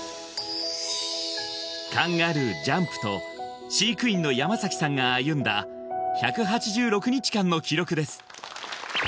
カンガルージャンプと飼育員の山さんが歩んだ１８６日間の記録です